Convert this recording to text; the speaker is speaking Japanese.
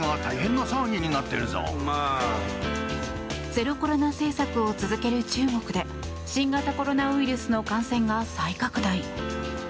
ゼロコロナ政策を続ける中国で新型コロナウイルスの感染が再拡大。